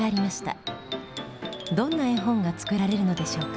どんな絵本が作られるのでしょうか。